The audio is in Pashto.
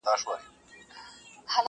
پردی ولات د مړو قدر کموینه٫